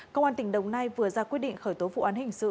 công an tỉnh đồng nai vừa ra quyết định khởi tố vụ án hình sự